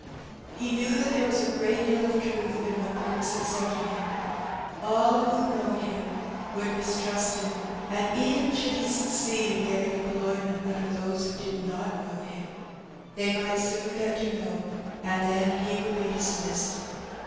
He knew that there was a great deal of truth in what Perks had said to him. All who knew him woald mistrust him^ and even should he succeed in getting employ ment under those who did not know him^ they might soon get to know^ and then he would be dismissed.